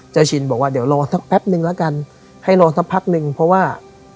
ชินบอกว่าเดี๋ยวรอสักแป๊บนึงแล้วกันให้รอสักพักนึงเพราะว่า